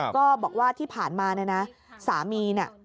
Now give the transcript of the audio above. ก็บอกว่าที่ผ่านมาสามีนะ